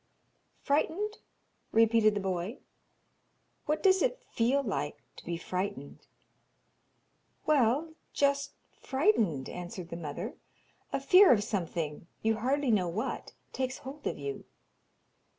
'Frightened?' repeated the boy. 'What does it feel like to be frightened?' 'Well just frightened,' answered the mother. 'A fear of something, you hardly know what, takes hold of you.'